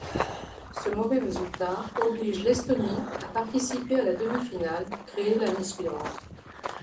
Ce mauvais résultat oblige l’Estonie à participer à la demi-finale, créée l’année suivante.